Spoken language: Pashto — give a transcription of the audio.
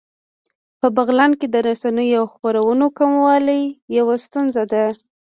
په بغلان کې د رسنیو او خپرونو کموالی يوه ستونزه ده